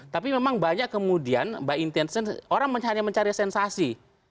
tapi memang banyak kemudian by intention orang hanya mencari sensasi